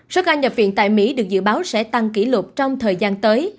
số ca nhập viện tại mỹ được dự báo sẽ tăng kỷ lục trong thời gian tới